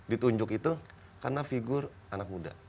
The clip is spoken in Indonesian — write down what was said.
ditunjuk itu karena figur anak muda